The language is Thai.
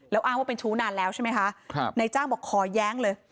แล้วอ้างว่าเป็นชู้นานแล้วใช่ไหมคะนายจ้างบอกขอแย้งเลย